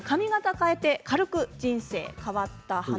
変えて軽く人生が変わった話。